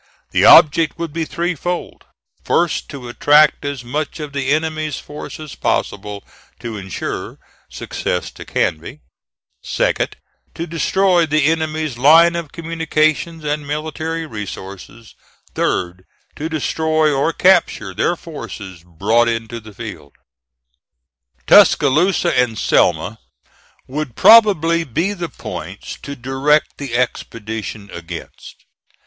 The object would be threefold: first, to attract as much of the enemy's force as possible, to insure success to Canby; second, to destroy the enemy's line of communications and military resources; third, to destroy or capture their forces brought into the field. Tuscaloosa and Selma would probably be the points to direct the expedition against.